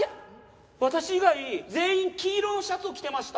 私以外全員黄色のシャツを着てました。